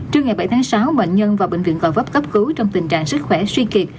trước ngày bảy tháng sáu bệnh nhân vào bệnh viện gò vấp cấp cứu trong tình trạng sức khỏe suy kiệt